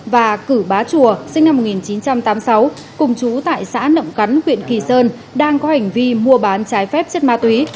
và cử bá chùa sinh năm một nghìn chín trăm tám mươi sáu cùng chú tại xã nậm cắn huyện kỳ sơn đang có hành vi mua bán trái phép chất ma túy